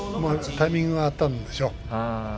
タイミングが合ったんでしょう。